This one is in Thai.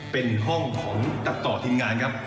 เป็นห้องของตัดต่อทีมงานครับ